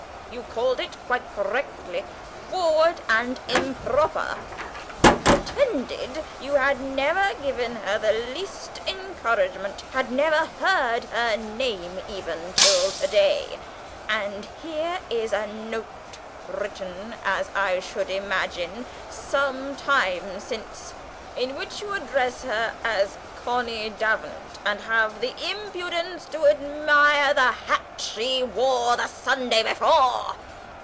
You called it, quite correctly, 'forward and improper'; you pretended you had never given her the least encouragement had not heard her name even till to day. And here is a note, written, as I should imagine, some time since, in which you address her as 'Connie Davenant,' and have the impudence to admire the hat she wore the Sunday before!